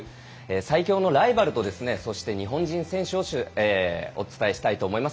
最強のライバルとそして、日本人選手をお伝えしたいと思います。